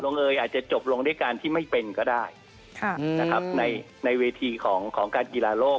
เอยอาจจะจบลงด้วยการที่ไม่เป็นก็ได้นะครับในในเวทีของของการกีฬาโลก